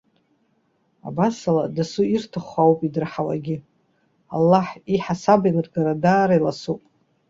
Абас ала, дасу ирҭаххо ауп идырҳауагьы. Аллаҳ иҳасабеилыргара даара иласуп!